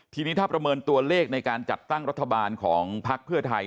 ทีนี้ถ้าประเมินตัวเลขในการจัดตั้งรัฐบาลของพักเพื่อไทย